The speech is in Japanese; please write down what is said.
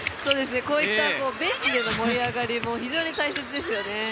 こういったベンチでの盛り上がりも非常に大切ですよね。